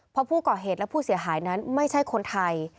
เพราะผู้ก่อเหตุและผู้เสียหายนั้นไม่ใช่คนไทย